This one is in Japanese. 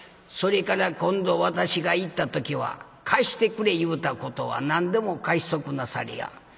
「それから今度私が行った時は貸してくれ言うたことは何でも貸しとくなされや」。